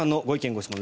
・ご質問